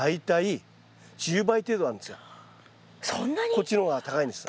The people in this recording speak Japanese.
こっちの方が高いんです。